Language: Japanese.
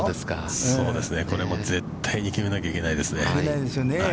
◆そうですね、これは絶対に決めなきゃいけないですね。